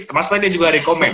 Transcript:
terus tadi juga ada komen